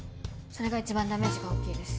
それが一番ダメージが大きいです。